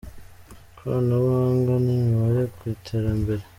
ikoranabuhanga n’imibare ku iterambere.